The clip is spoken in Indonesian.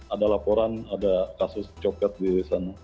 ada laporan ada kasus coklat di sana